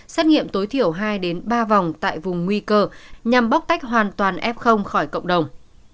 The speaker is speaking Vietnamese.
xét nghiệm tối thiểu hai ba vòng tại vùng nguy cơ nhằm bóc tách hoàn toàn f khỏi cộng đồng